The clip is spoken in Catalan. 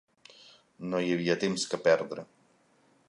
No hi havia temps que perdre.